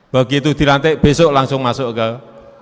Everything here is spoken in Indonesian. begitu dilantik besok langsung masuk ke